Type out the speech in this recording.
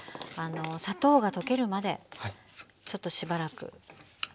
砂糖が溶けるまでちょっとしばらく混ぜて。